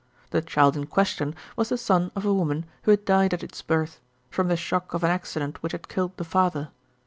The child in question was the son of a woman who had died at its birth, from the shock of an accident which had killed the father.